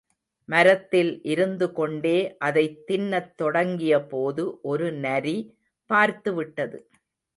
மரத்தில் இருந்துகொண்டே அதைத் தின்னத் தொடங்கியபோது ஒரு நரி பார்த்துவிட்டது.